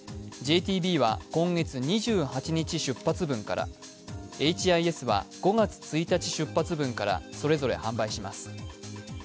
ＪＴＢは今月２８日出発分から、ＨＩＳは５月１日出発分から、それぞれ販売します。